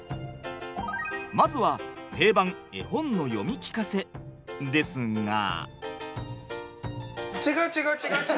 まずは定番絵本の読み聞かせ。ですが。